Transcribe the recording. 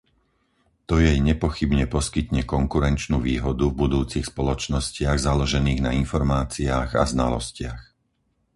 To jej nepochybne poskytne konkurenčnú výhodu v budúcich spoločnostiach založených na informáciách a znalostiach.